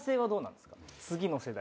次の世代。